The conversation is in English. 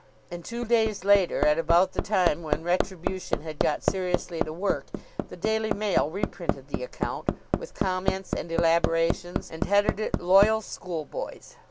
And two days later, at about the time when Retribution had got seriously to work, the Daily Mail reprinted the account, with comments and elaborations, and headed it "Loyal Schoolboys."